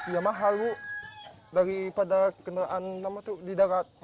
ya mahal bu daripada kendaraan lama itu di darat